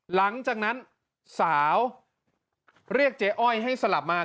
หลังจากนั้นสาวเรียกเจ๊อ้อยให้สลับมา